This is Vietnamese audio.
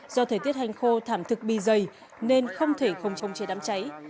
do thời tiết hành khô thảm thực bi dày nên không thể không chống chế đám cháy